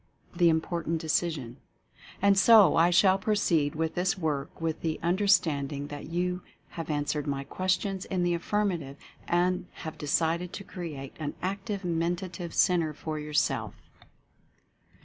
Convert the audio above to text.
THE IMPORTANT DECISION. And so I shall proceed with this work with the un derstanding that you have answered my questions in the affirmative and have decided to Create an Active Mentative Centre for Yourself.